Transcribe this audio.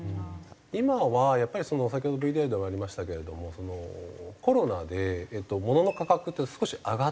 今はやっぱり先ほどＶＴＲでもありましたけれどもコロナでものの価格って少し上がってるんですよね。